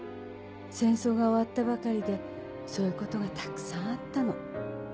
戦争が終わったばかりでそういうことがたくさんあったの。